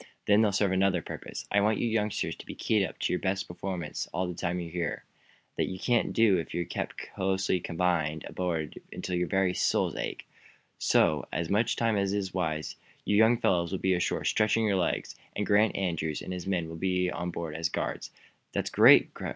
Then they'll serve another purpose. I want you youngsters to be keyed up to your best performances all the time we're here. That you can't do if you're kept confined closely aboard until your very souls ache. So, as much of the time as is wise, you young fellows will be ashore, stretching your legs, and Grant Andrews and his men will be on board as guards." "That's great!"